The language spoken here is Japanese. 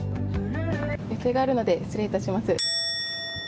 予定があるので失礼します。